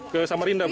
ke samarinda bu